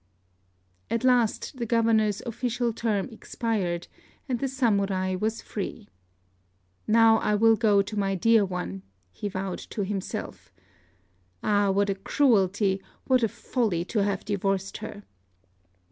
At last the Governor's official term expired, and the Samurai was free. "Now I will go back to my dear one," he vowed to himself. "Ah, what a cruelty, what a folly to have divorced her!"